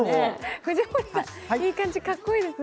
藤森さん、いい感じ、かっこいいですね。